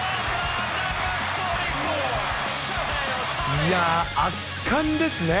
いやー、圧巻ですね。